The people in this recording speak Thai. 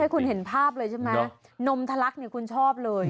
คุณเห็นภาพเลยใช่ไหมนมทะลักเนี่ยคุณชอบเลย